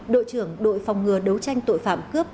đội trưởng đội phòng ngừa đấu tranh tội phạm cướp